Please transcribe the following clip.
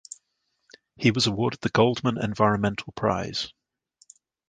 He was awarded the Goldman Environmental Prize.